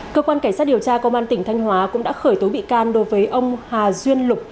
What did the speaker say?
cơ quan cảnh sát điều tra công an tỉnh thanh hóa cũng đã khởi tố bị can đối với ông hà duyên lục